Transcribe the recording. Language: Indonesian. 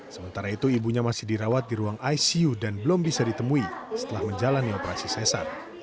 sementara itu ibunya masih dirawat di ruang icu dan belum bisa ditemui setelah menjalani operasi sesar